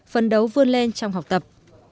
phân đấu vươn lên trong học tập